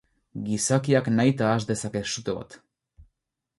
Gizakiak nahita has dezake sute bat.